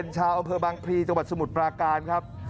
ชาวอำเภอบางพลีจังหวัดสมุทรปราการครับ